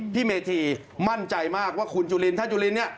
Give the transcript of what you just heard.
เมธีมั่นใจมากว่าคุณจุลินท่านจุลินเนี่ย